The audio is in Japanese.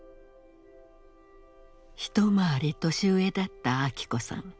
一回り年上だった昭子さん。